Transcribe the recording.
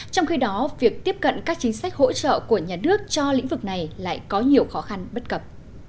trong khi đó việc tiếp cận các chính sách hỗ trợ của nhà nước cho lĩnh vực này lại có nhiều khó khăn bất cập